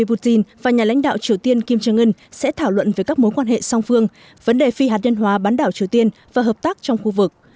cụ thể tổng thống nga vladimir putin và nhà lãnh đạo triều tiên kim jong un sẽ thảo luận về các mối quan hệ song phương vấn đề phi hạt nhân hóa bán đảo triều tiên và hợp tác trong khu vực